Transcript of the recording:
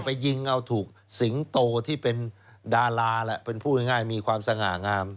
ไปยิงเอาถูกสิงโตที่เป็นดาราแหละเป็นพูดง่ายมีความสง่างาม